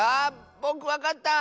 ぼくわかった！